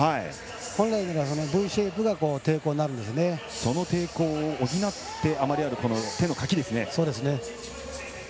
本来なら、Ｖシェイプがその抵抗を補って余りある手のかきですね。